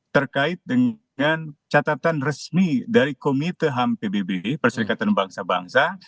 terkait dengan catatan resmi dari komite ham pbb perserikatan bangsa bangsa